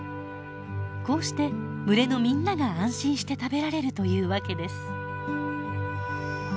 こうして群れのみんなが安心して食べられるというわけです。